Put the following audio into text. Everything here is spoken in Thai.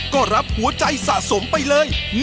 ก็รับหัวใจสะสมไปเลย